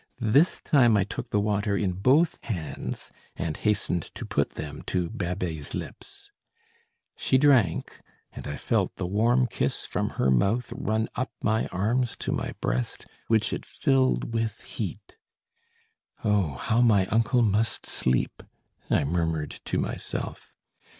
This time I took the water in both hands and hastened to put them to Babet's lips. She drank, and I felt the warm kiss from her mouth run up my arms to my breast, which it filled with heat. "Oh! how my uncle must sleep!" I murmured to myself.